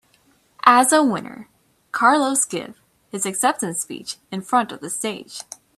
As a winner, Carlos give his acceptance speech in front of the stage.